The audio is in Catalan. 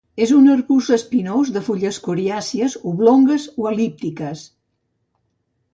És un arbust espinós de fulles coriàcies oblongues o el·líptiques.